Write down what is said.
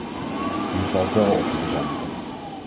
Hier valt wel op te bezuinigen.